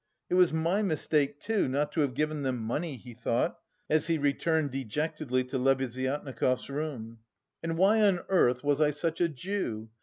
"It was my mistake, too, not to have given them money," he thought, as he returned dejectedly to Lebeziatnikov's room, "and why on earth was I such a Jew?